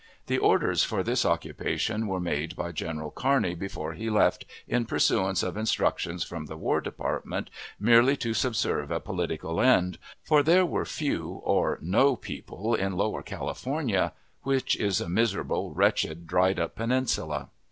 The orders for this occupation were made by General Kearney before he left, in pursuance of instructions from the War Department, merely to subserve a political end, for there were few or no people in Lower California, which is a miserable, wretched, dried up peninsula.